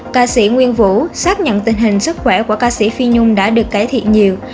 ca sĩ nguyên vũ xác nhận tình hình sức khỏe của ca sĩ phi nhung đã được cải thiện nhiều